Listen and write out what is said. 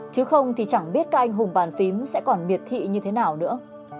chứ không thì chẳng biết các anh hùng bàn phím sẽ còn miệt thị như thế nào nữa